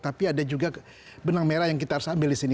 tapi ada juga benang merah yang kita harus ambil di sini